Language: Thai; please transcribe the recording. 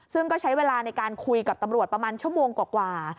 ซึ่งก็ใช้เวลาในการคุยกับตำรวจประมาณชั่วโมงกว่า